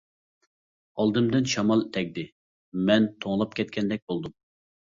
ئالدىمدىن شامال تەگدى، مەن توڭلاپ كەتكەندەك بولدۇم.